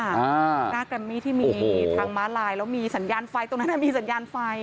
หน้าแกรมมี่ที่มีทางม้าลายแล้วมีสัญญาณไฟตรงนั้นมีสัญญาณไฟ